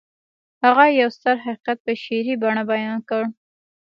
هغه يو ستر حقيقت په شعري بڼه بيان کړ.